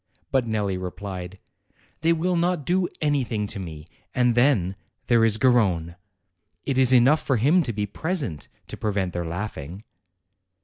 But Nelli replied : "They will not do anything to me and then, there is Garrone. It is enough for him to be present, to prevent their laughing."